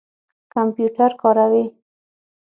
کمپیوټر کاروئ؟